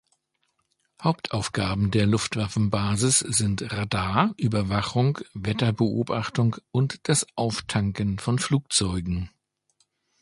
Hauptaufgaben der Luftwaffenbasis sind Radar, Überwachung, Wetterbeobachtung und das Auftanken von Flugzeugen.